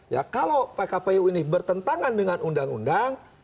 ya kalau pkpu ini bertentangan dengan undang undang